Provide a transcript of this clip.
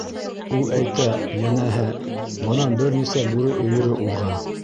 — Ул әйтә, йәнәһе, бынан бер нисә бүре өйөрө уҙған.